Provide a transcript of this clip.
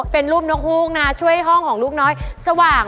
เป็นรูปนกฮูกนะช่วยห้องของลูกน้อยสว่าง